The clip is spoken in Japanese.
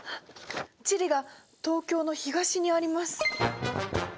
チリが東京の東にあります！